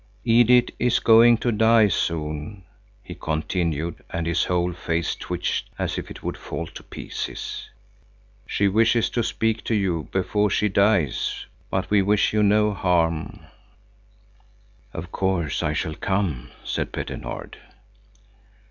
Edith is going to die soon," he continued, and his whole face twitched as if it would fall to pieces. "She wishes to speak to you before she dies. But we wish you no harm." "Of course I shall come," said Petter Nord.